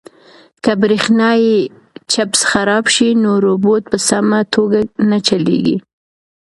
که برېښنايي چپس خراب شي نو روبوټ په سمه توګه نه چلیږي.